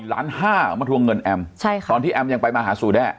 ๔ล้าน๕มาทวงเงินแอมตอนที่แอมยังไปมาหาสู่แด้